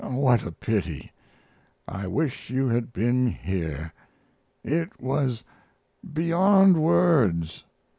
What a pity! I wish you had been here. It was beyond words!